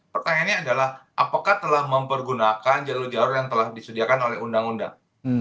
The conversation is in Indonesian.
pertanyaannya adalah apakah telah mempergunakan jalur jalur yang telah disediakan oleh undang undang